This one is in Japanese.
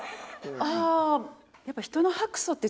ああーやっぱ。